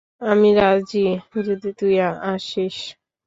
আমি রাজি, যদি তুই আসিস।